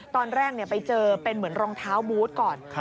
ตอนแรกไปเจอเป็นเหมือนรองเท้าบูธก่อน